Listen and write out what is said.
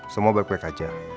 semua baik baik aja